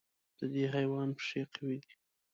د دې حیوان پښې قوي دي.